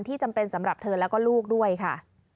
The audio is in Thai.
จำเป็นสำหรับเธอแล้วก็ลูกด้วยค่ะ